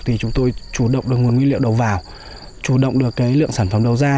thì chúng tôi chủ động được nguồn nguyên liệu đầu vào chủ động được cái lượng sản phẩm đầu ra